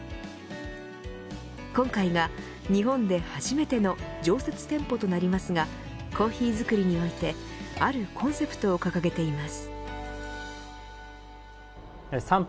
今回は日本で初めての常設店舗となりますがコーヒー作りにおいてあるコンセプトを掲げています。